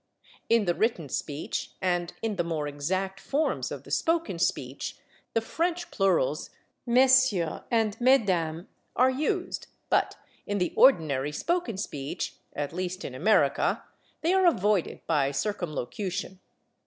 In the written speech, and in the more exact forms of the spoken speech, the French plurals, /Messieurs/ and /Mesdames/, are used, but in the ordinary spoken speech, at least in America, they are avoided by circumlocution.